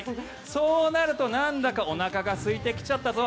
そうなるとなんだかおなかがすいてきちゃったぞ。